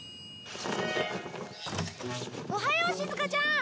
おはようしずかちゃん！